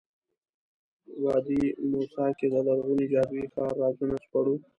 وادي موسی کې د لرغوني جادویي ښار رازونه سپړو.